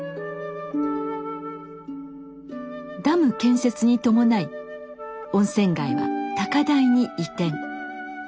ダム建設に伴い温泉街は高台に移転。